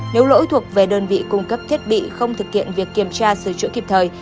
nếu lỗi thuộc về đơn vị cung cấp thiết bị không thực hiện việc kiểm tra sửa chữa kịp thời